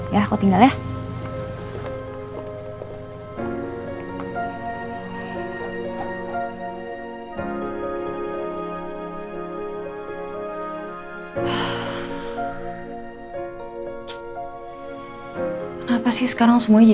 ya aku tinggal ya